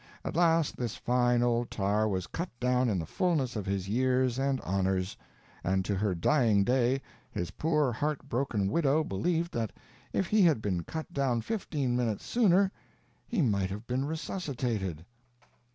At last this fine old tar was cut down in the fullness of his years and honors. And to her dying day, his poor heart broken widow believed that if he had been cut down fifteen minutes sooner he might have been resuscitated.